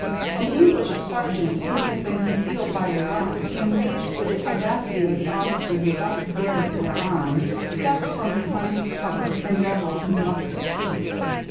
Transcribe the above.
An English sergeant, who had been concealed by a rock, enraged with the audacity of the officer who thus dared their arms, stepped from behind his cover, and leveled his musket.